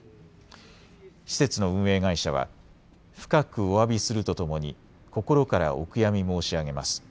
施設の運営会社は、深くおわびするとともに心からお悔やみ申し上げます。